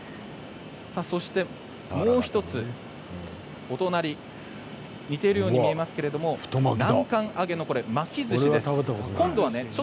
そして、もう１つ、お隣似ているように見えますけれども南関あげの巻きずしです。